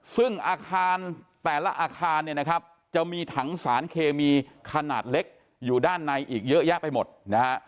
ซึ่งอาคารแต่ละอาคารเนี่ยนะครับจะมีถังสารเคมีขนาดเล็กอยู่ด้านในอีกเยอะแยะไปหมดนะฮะ